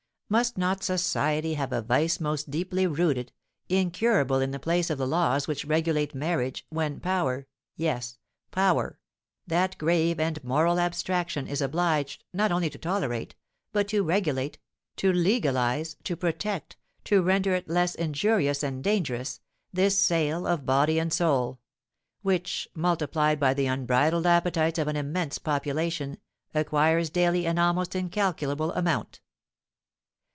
Must not society have a vice most deeply rooted, incurable in the place of the laws which regulate marriage, when power, yes, power, that grave and moral abstraction, is obliged, not only to tolerate, but to regulate, to legalise, to protect, to render it less injurious and dangerous, this sale of body and soul; which, multiplied by the unbridled appetites of an immense population, acquires daily an almost incalculable amount.